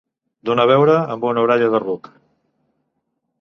Donar beure amb una orella de ruc.